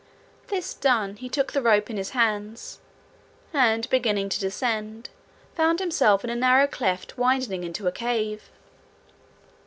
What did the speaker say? This done, he took the rope in his hands, and, beginning to descend, found himself in a narrow cleft widening into a cave.